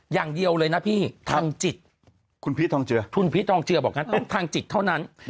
อย่างเดียวเลยนะพี่ทางจิตคุณพีชทองเจือคุณพีชทองเจือบอกงั้นต้องทางจิตเท่านั้น